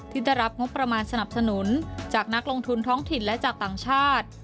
ที่ได้รับงบประมาณสนับสนุนจากนักลงทุนท้องถิ่นและจากต่างชาติ